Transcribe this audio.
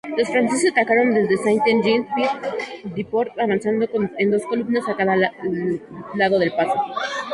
Los franceses atacaron desde Saint-Jean-Pied-de-Port avanzando en dos columnas a cada lado del paso.